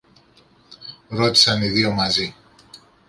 ρώτησαν οι δυο μαζί.